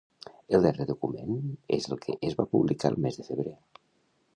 El darrer document és el que es va publicar el mes de febrer.